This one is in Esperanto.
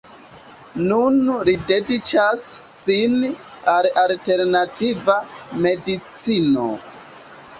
Nun li dediĉas sin al alternativa medicino.